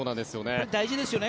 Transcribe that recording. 大事ですよね